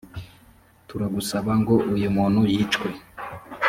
turagusaba ngo uyu muntu yicwe